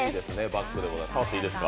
バッグでございます。